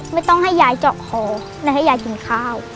ไม่ต้องให้ยายเจาะคอไม่ให้ยายกินข้าว